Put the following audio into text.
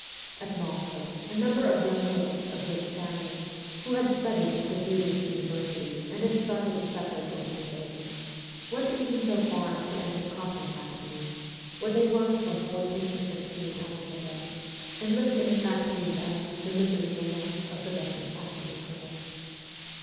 At Moscow, a number of young girls, of rich families, who had studied at the Zurich university and had started a separate organization, went even so far as to enter cotton factories, where they worked from fourteen to sixteen hours a day, and lived in the factory barracks the miserable life of the "Russian factory girls.